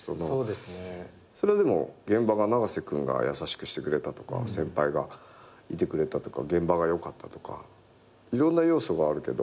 それはでも現場が長瀬君が優しくしてくれたとか先輩がいてくれたとか現場が良かったとかいろんな要素があるけど。